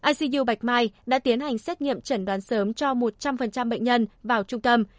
icu bạch mai đã tiến hành xét nghiệm chẩn đoán sớm cho một trăm linh bệnh nhân vào trung tâm